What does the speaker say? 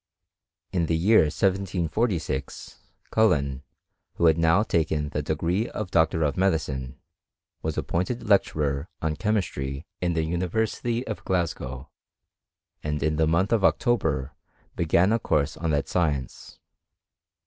In the vear 1746 Cullen, who had now taken the de gree of doctor of medicine, was appointed lecturer on chemistry in the University of Glasgow ; and in the month of October began a course on that science.